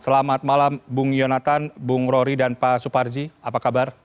selamat malam bung yonatan bung rory dan pak suparji apa kabar